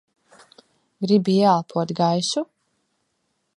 Gribi ieelpot gaisu?